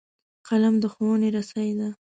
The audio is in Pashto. قلم د ښوونې رسۍ ده